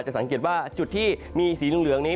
สังเกตว่าจุดที่มีสีเหลืองนี้